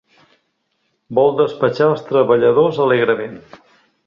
Vol despatxar els treballadors alegrement.